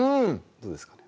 どうですかね